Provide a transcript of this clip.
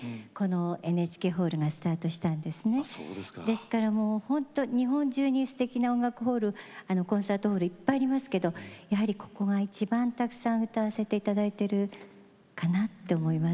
ですからもうほんと日本中にすてきな音楽ホールコンサートホールいっぱいありますけどやはりここは一番たくさん歌わせて頂いてるかなって思います。